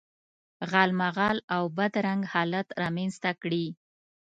غالمغال او بد رنګ حالت رامنځته کړي.